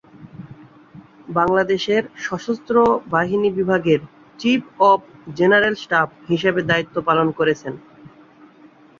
বাংলাদেশের সশস্ত্র বাহিনী বিভাগের চিফ অফ জেনারেল স্টাফ হিসেবে দায়িত্ব পালন করেছেন।